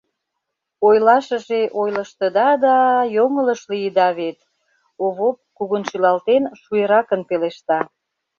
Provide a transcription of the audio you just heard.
Ойлашыже ойлыштыда, да йоҥылыш лийыда вет, — Овоп, кугун шӱлалтен, шуэракын пелешта.